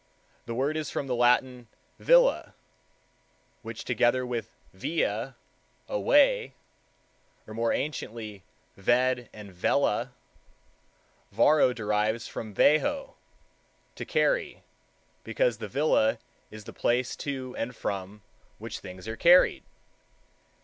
The word is from the Latin villa which together with via, a way, or more anciently ved and vella, Varro derives from veho, to carry, because the villa is the place to and from which things are carried.